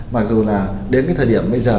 mặc dù là đến thời điểm bây giờ